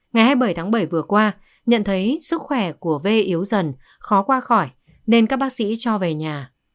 ngày hai mươi bảy tháng bảy vừa qua nhận thấy sức khỏe của v yếu dần khó qua khỏi nên các bác sĩ cho về nhà